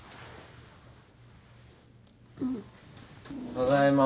・ただいま。